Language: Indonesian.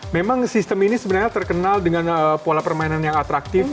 memang sistem ini sebenarnya terkenal dengan pola permainan yang atraktif